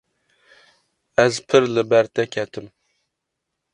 Ez pir li ber te ketim.